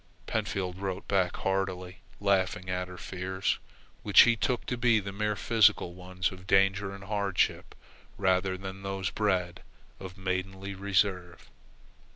Pentfield wrote back heartily, laughing at her fears, which he took to be the mere physical ones of danger and hardship rather than those bred of maidenly reserve.